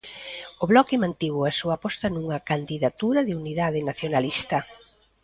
O Bloque mantivo a súa aposta nunha "candidatura de unidade nacionalista".